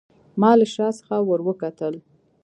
ما له شا څخه وروکتل.